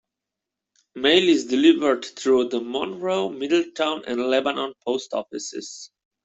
Mail is delivered through the Monroe, Middletown, and Lebanon post offices.